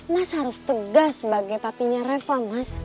mas harus tegas sebagai papinya reva mas